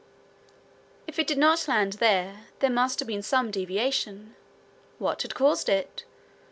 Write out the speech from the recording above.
If it did not land there, there must have been some deviation. What had caused it?